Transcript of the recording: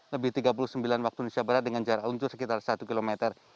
lebih tiga puluh sembilan waktu indonesia barat dengan jarak luncur sekitar satu km